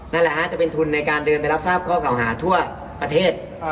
นั่นแหละฮะจะเป็นทุนในการเดินไปรับทราบข้อเก่าหาทั่วประเทศ